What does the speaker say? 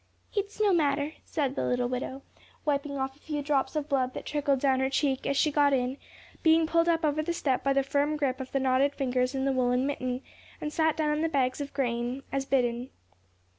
"It's no matter," said the little widow, wiping off a few drops of blood that trickled down her cheek, as she got in, being pulled up over the step by the firm grip of the knotted fingers in the woollen mitten, and sat down on the bags of grain, as bidden.